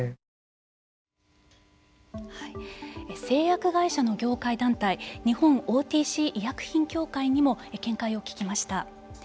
製薬会社の業界団体日本ＯＴＣ医薬品協会にも見解を聞きました。